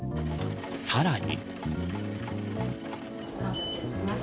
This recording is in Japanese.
さらに。